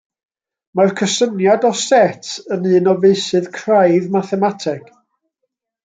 Mae'r cysyniad o set yn un o feysydd craidd mathemateg.